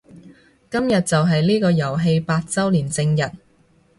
今日就係呢個遊戲八周年正日